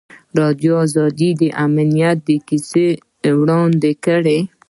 ازادي راډیو د امنیت کیسې وړاندې کړي.